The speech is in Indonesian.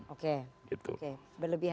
oke oke berlebihan